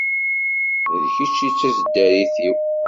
D kečč i d taseddarit-iw.